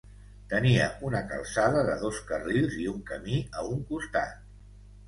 Tenia una calçada de dos carrils i un camí a un costat.